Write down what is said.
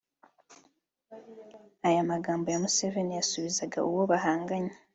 Aya magambo ya Museveni yasubizaga uwo bahanganye